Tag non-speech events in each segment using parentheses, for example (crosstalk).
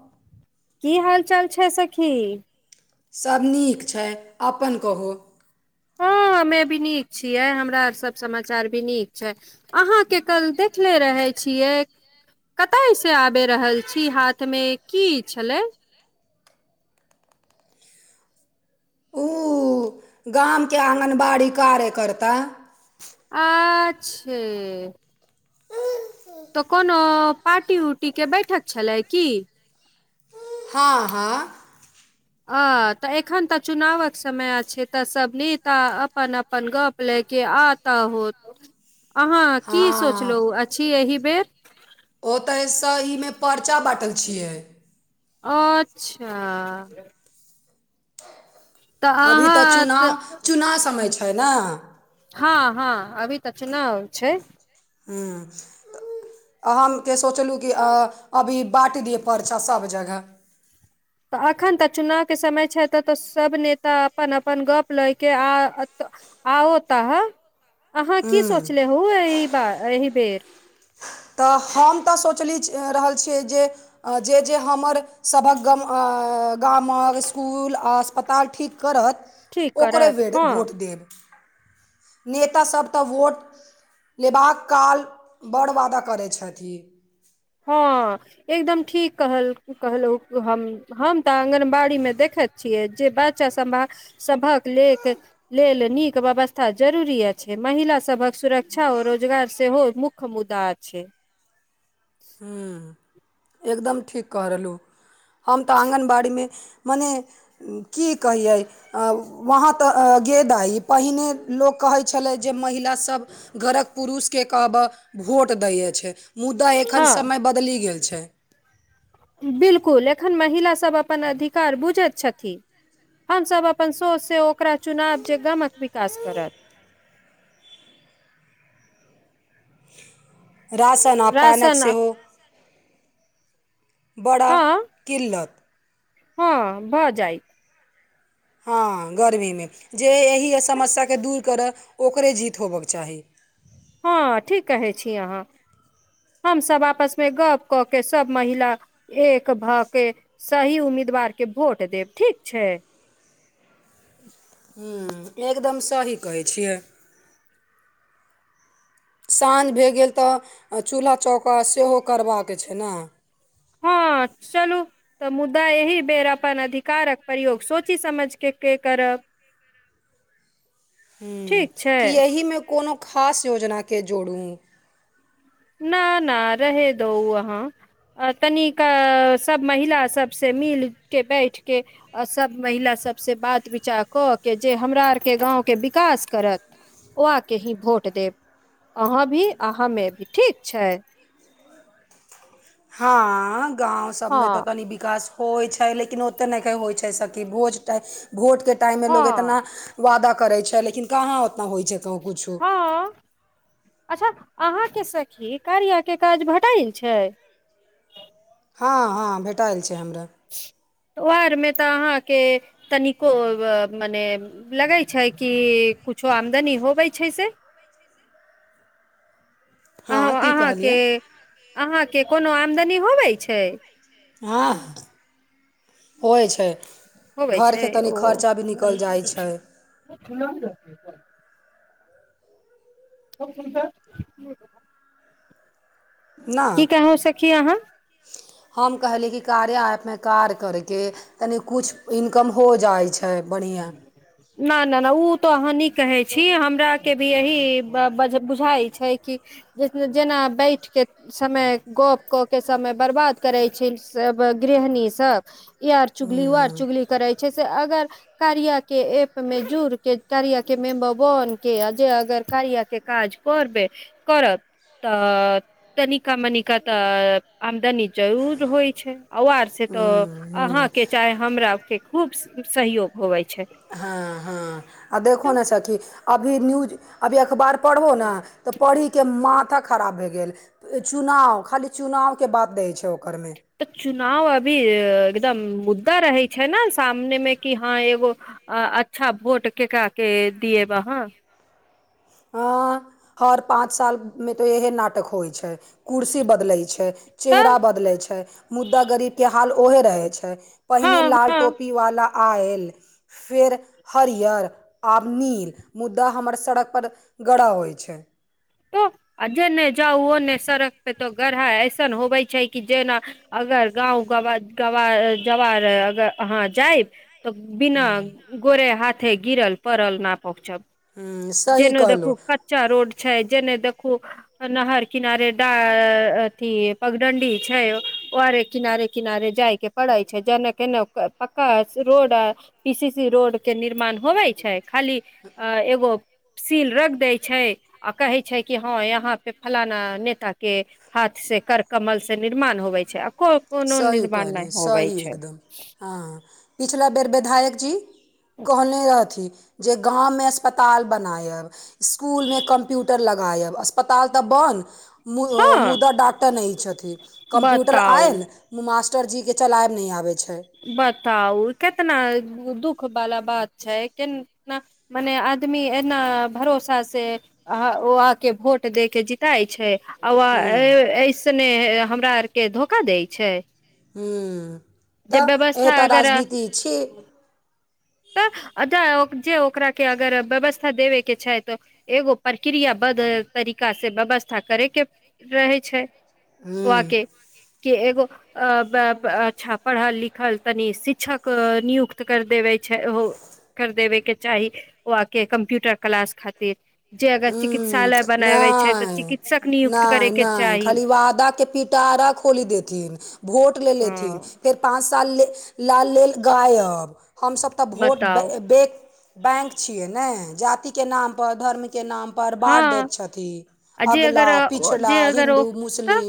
हँ की हाल चाल छै सखी सभ नीक छै अपन कहू हँ हमे भी नीक छियै हमरा सब समाचार भी नीक छै अहा के कल देखले रहे छियै कतय से आबि रहल छी हाथ मे की छलै ओ गाम के आंगनबाड़ी कार्य कर्ता आच्छे तऽ कोनो पार्टी उर्टी के बैठक छलै की हँ हँ आ तऽ एखन तऽ चुनावक समय अछै तऽ सभ नेता अपन अपन गप लैत के आता होत अहाँ की सोचलहु हँ अछि एहिबेर ओतय सही मे परचा बाँटल छियै अच्छा तऽ अभी तऽ अहाँ चुनाव चुनाव समय छै न हँ हँ अभी त चुनाव अर छै हूँ ओहिमे हमके सोचलहुॅँ कि अभी बाँटि दिअ परचा सभ जगह तऽ एखन तऽ चुनावके समय छै ए त तय सभ नेता अपन अपन गप्प लै क अ आओ त ह अहाँ की हूँ सोचले हुए एहि बा एहि बेर तऽ हम तऽ सोचली रहल छियै जे जे जे हमर सभक गम अ अ गा हमर इसकुल आ अस्पताल ठीक करत ठीक ओकरे करत बेर हँ भोट देब नेता सभ त वोट लेबाक काल बड़ वादा क करै छथि हँ एकदम ठीक कह कहलहु हम हम त आगनबाड़ी मे देखे छियै जे बच्चा सभ सभक लेक लेल नीक व्यवस्था जरूरी अछि महिला सभक सुरक्षा ओ रोजगार सेहो मुख्य मुद्दा छै हू एकदम ठीक कह रहलहु हम तऽ आँगनबाड़ीमे मने की कहिये अ वहाँ त गे दाई पहिने लोक कहै छलै जे महिला सब घरक पुरुष के कहबह वोट दैए छै मुदा एखन हँ समय बदलि गेल छै बिलकुल एखन महिलासभ अपन अधिकार बुझैत छथि हमसभ अपन सोचसँ ओकरा चुनाब जे गामक विकास करत (inaudible) राशन आ पैनक राशन आ- सेहो बड़ा हँ किल्लत हँ भऽ जाय हँ गर्मीमे जे एहि असमस्याके दूर करय ओकरे जीत होबयके चाही हँ ठीक कहै छी अहाँ हम सभ आपसमे गप कऽ के सब महिला एक भऽ के सही उम्मीद उम्मीदवार के भोट देब ठीक छै हू एकदम सही कहै छियै साँझ भए गेल तऽ चूल्हा चौका सेहो करबाक छै न हँ हँ चलू तऽ मुद्दा एहि बेर अपन अधिकारक प्रयोग सोचि समझ के केकरब (inaudible) हू कि एहिमे कोनो खास योजनाकेँ जोरू न न रह दो वहाँ आ तनिक सभ महिला सभसँ मिल के बैठ के आ सभ महिला सभसँ बात विचार कऽ के जे हमरा आरके गाँवके विकास करत ओ आके ही भोट देब अहाँ भी आ हमे भी ठीक छै हँ गाँव सभमे तऽ हँ तनी विकास होइ छै लेकिन ओते नहिखे होइ छै सखी भोज भोटके टाइममे लोग हँ एतना वादा करै छै लेकिन काहाँ ओतना होइ छै कहि कुछो हँ अच्छा अहाँके सखी कार्यके काज भटायल छै हँ हँ भेटएल छै हमरा ओर मे तऽ अहाँके तनिको मने लगै छै कि आमदनी होबै छै से अ हँ की अहाँके कहलियै अहाँके कोनो आमदनी होबै छै हँ होइ छै होबै छै घरके तनि ओ खर्चा भी निकलि जाइ छै (unintelligible) की ने कहो सखी अहाँ हम कहली कि कारिया एऐप मे कार करके तनि कुछ इनकम हो जाइ छै बढ़िआँ न न न ओ तऽ अनी कहै छी हमराके भी यही बुझाइ छै कि जेना बैठके समय गप कऽ के समय बर्बाद करै छै सब गृहणी सब ई आर चुगली ओ आर ह्म्म चुगली करै छै से अगर कारिया के एप मे जुड़ के कार्या के मे बन के जेय अगर कारिया के काज तऽ तनिका मनिका तऽ आमदनी जरूर होइ छै ओर से तऽ ह्म्म ह्म्म अहाँके चाहे हमरा के खूब सहयोग होवै हँ हँ देखो तऽ न सखि अभि न्यूज अभी अखबार पढो न तऽ पढि के मा खराब भए गेल चुनाव खाली चुनाव के बात दै छै ओकरमे तऽ चुनाव अभी एकदम मुद् त रहे छै न सामने में कि हँ एगो अच्छा वोट केकरा के दिये बा हँ हँ हर पाँच मे सालमे तऽ इएहे नाटक होइ छै कुर्सी बदलैय छै तऽ चेहरा बदलै छै मुद्दा गरीब के हाल ओहे रहै छैय पहिने हँ लाल हँ टोपी वाला आयल फेर हरियर आब नील मुद्दा हमर सड़क पर ग्रह होइ छै त आ जेने जाउ ओन्ने सड़क पे तऽ गढ़हाइ ऐसन होबै छै कि जेना अगर गाँव गवात गव (unintelligible) गवार अगर अहाँ जायब तऽ बिना हम्म गोरे हाथे गिरल पड़ल नाप (unintelligible) हम्म, सही जेने देखू कहलहुँ कच्चा रोड छै जेने देखू नहर कनारे अथि पगडंडी छै किनारे किनारे जाय के पड़ैत छै जेने केने पक्का रोड आ पीसी सी रोड के निर्माण होबे छै खाली एगो सील रख दै छैय कहै छै कि हँ यहााँ पे फलाना नेता के हाथ से कर कमल से निर्माण होवै छैय को कोनो सही निर्माण नहि कहलियै होवै सही छैय एकदम हँ पिछला बेर विधायक जी कहने रहथि जे गांव मे अस्पताल बनायब इस्कुलमे कम्प्यूटर लगायब अस्पताल तऽ बड हँ मुदा डॉक्टर नहि छथिन कम्प्यूटर बताउ आयल मास्टरजीके चलायब नहि आबै छै बताउ केतना दुख खूब बाला बात छै मने आदमी एना भरोसा से ओ आके भोट दे के जीताइ छै उ आ हूँ ऐसने हमरा आरके धोखा दै छै हू जेव्यवस्था अगर त अ जे ओकरा के अगर व्यवस्था देबे के छै तऽ एगो प्रक्रिया बद् तरीका से व्यव व्या करे के रहै छैय हूँ वके कि एगो अ छ पढ़ल लिखल तनि शिक्षक नियुक्त करि देबै छै हौ कर देबेके चाही ओ आके कम्प्यूटर क्लास खातिर जे अगर ह चिकित्सालय बनाबे छै तऽ नहि चिकित्सक नियुक्त करे नहि के नहि चाही खाली वादा के पिटा देथिन भोट लेथिन हँ फेर पाँच साल लाल लेल गायब हमस तऽ भोट बताउ बैंक छियै ने जाति के नाम पर धर्म के नाम पर हँ बाँट दैत छथि आ जे अगर अ, ओ- जे अगर ओ तऽ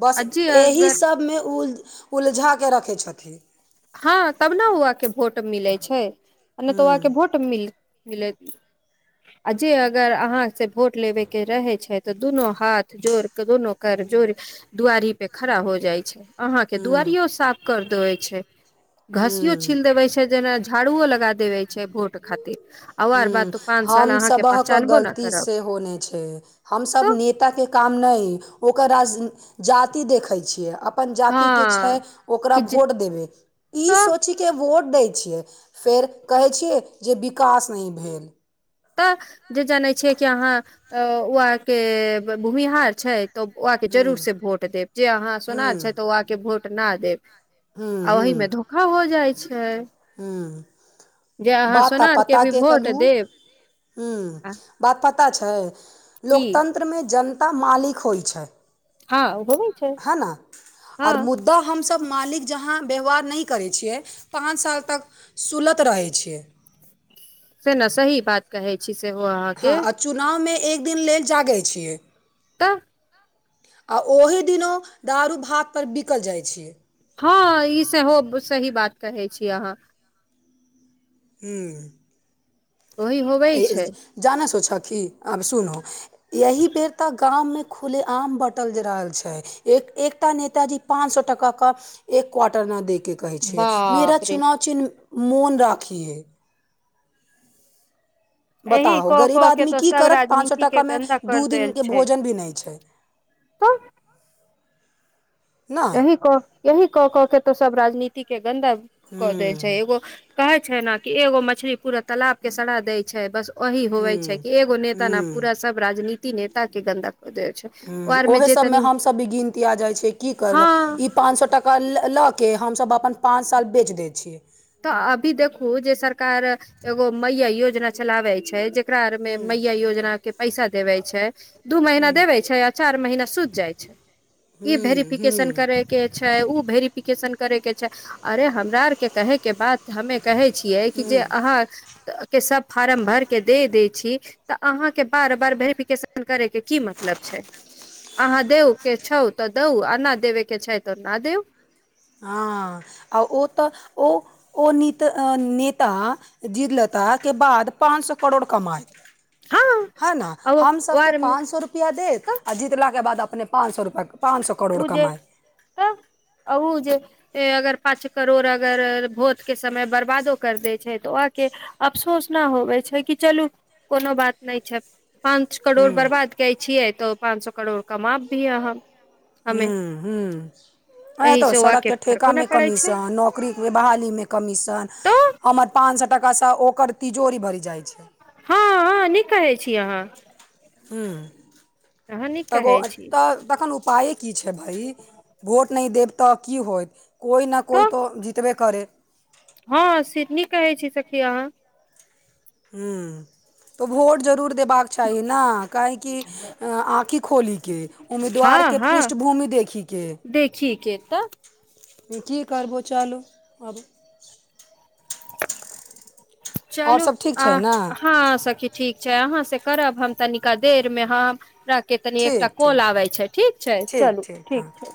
बस आ जे एहि अगर सभमे उल उलझा कऽ रखै छथि हँ तब ने उआके भोट मिलै छै आ नहि तऽ हूँ ओआके भोट मिल मिले आ जे अगर अहाँ सँ भोट लेबयके रहैत छै तऽ दुनू हाथ जोड़ कऽ दुनू कर जोड़ दुआरी पे खड़ा हो जाय छै अहां के हूँ दुआरियो साफ कर देे छै घसियो हूँ छील देबे छै जेना झाड़ूओ लगा देबे छै भोट खातिर आर बात हुँ, तुफान हम सभह के गलती से हो नहि छै हमस तो नेता के काम नइ ओकर राज जाति देखै छियै अपन जाति के छै हँ ओकरा कि जे भोट देबै ई तऽ सोचि के व वोट दै छियै फेर कहै छियै जे विकास नहि भेल तऽ जे जानै छियै कि अहाँ ओ आहके भूमिहार छै तऽ ओ आके हुँ, जरूर से भोट देब जे अहाँ सोनार छै हुँ, तऽ ओ आके भोट ना देब हुँ, आ हुँ, ओहिमे धोखा हो जाइ छै छै हुँ, जे अहाँ सोनार के भी भोट देब ह्म आ बात पता छै की लोकतन्त्र मे जनता मालिक होइ छै हँ होबै छै ह हन आ हँ मूदा हमसब मालिक जहाँ व्यवहार नहि करै छियै पाँच साल तक सुलत रहै छियै से न सही बात कहै छी सेहो हँ अहाँके आ चुनाव मे एक दिन लेल जागैत छियै तऽ आ ओही दिनो दारू भात पर बिकल जाइत छै हँ ई सेहो सही बात कहै छी अहाँ ह ओही होबै छै जाना सोचऽ की आब सुनू एहि बेर तऽ गाम मे खुलेआम बँटल रहल छै एक एकटा नेताजी पाँच सए टका क एक क्वार्टर न देके के कहै छियै मेरा बाप रे चुनाव चिन्ह मोन राखियै एहि बताहो कऽ गरीब कऽ के आदमी तऽ की सभ करत पाँच सौ राजनीति के टका मे गन्दा कर दू दिन देल के छै भोजन भी नै छै तहँ ना एहि कऽ एही कऽ कऽ के तऽ सब राजनीति के गन्दा कऽ हूँ देल छै एगो कहे छै ने कि एगो मछली पूरा तालाब के सड़ा देय छै बस ओही होवे छै हूँ कि एगो नेता ने हूँ पूरा सब राजनीति नेता के गन्दाक हूँ ओहे सभ मे हमसभ भी गिनतिया जाइत छी की करबै हँ ई पाँच सए टाका लऽ हमसभ अपन पाँच साल बेच दै छियै तऽ अभी देखू जे सरकार एगो मैया योजना चलाबै छै जे एकरा आर मे हूँ मैया योजना के पैसा देवे छै दू महीना हूँ देवे छै आ चार महीना सुइत जाइ छै ई हूँ हूँ भेरिफिकेशन करे के छै छै ओ वेरिफिकेशन करैके छै अरे हमरा आरके कहेके बात हमे कहे छियै कि जे हूँ अहाँ के सब फार्म भर के दे देय छी तऽ अहाँके बार बार वेरिफिकेशन करय के की मतलब छै अहाँ देूउ के छौउ तऽ देउ आ नहि देबय के छै तऽ नहि देउ हँ आ ओ तऽ ओ नित नेता जिर लता के बाद पाँच सौ करोड़ कमाइ हँ है न आ ओ हमसभ के आर मे पाँच सौ देत तऽ आ जितला के बाद अपने पाँच सए पाँच सए करोड़ उ जे कमाइ तऽ उ जे अगर पाँच करोड़ अगर भोट के समय बर्बादो कर देै छै तऽ ओ के अफसोस ना होबे छै कि चलू कोनो बात नहि छै पाँच करोड़ बर्बाद कै छियै तऽ पाँच सौ करोड़ कमाब भी हम हम्म हम्म हँ एहि तौ से ओह सड़क के ठेका फर्को नहि मे पड़ै छै कमीशन नौकरी के बहाली मे कमीशन तऽ हमर पान पँच सौ टका से ओकर तिजोरी भरि जाइ छै हँ हँ नीक कहै छी अहाँ हूँ अहाँ नीक त उ कहै छी तखन उपा की छै भाइ भोट नहि देब तऽ की होत कोइ ने कोइ तऽ जितबे करै हा (inaudible) हम्म तऽ भोट जरूर देबाक चाही ने काहेकि आँखि खोली के हँ उम्मीदवार के हँ पृष्ठभूमि दे देखी के देखी के तऽ की करबौ चलू आबू चलू सब ठीक आ छै ने हँ सखी ठीक अहाँ से करब हम तनिका देरमे के तनि एकटा ठीक ठीक कॉल आबै छै ठीक छै ठीक चलू ठीक हँ छै